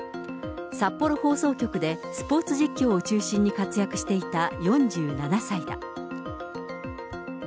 札幌放送局で、スポーツ実況を中心に活躍していた４７歳だ。